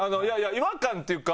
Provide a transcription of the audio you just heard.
違和感っていうか。